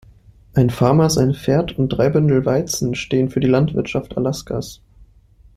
Ein Farmer, sein Pferd und drei Bündel Weizen stehen für die Landwirtschaft Alaskas.